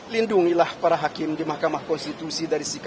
lindungilah para hakim konstitusi